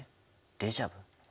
デジャブ？